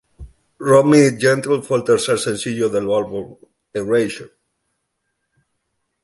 Rock Me Gently fue el tercer sencillo del álbum Erasure.